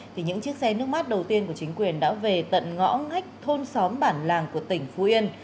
thì những chiếc xe nước mắt đầu tiên của chính quyền đã về tận ngõ ngách thôn xóm bản làng của tỉnh phú yên